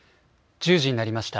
１０時になりました。